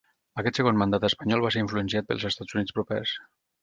Aquest segon mandat espanyol va ser influenciat pels Estats Units propers.